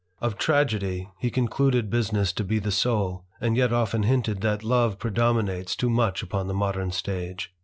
Of tragedy he concluded business to be the soul, and yet often hinted that love predominates too much upon the modem stage.